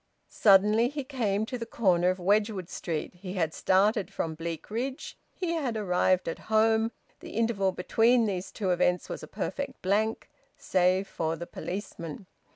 Suddenly he came to the corner of Wedgwood Street. He had started from Bleakridge; he had arrived at home: the interval between these two events was a perfect blank, save for the policeman.